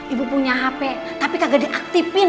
ibu punya hp tapi kagak diaktifin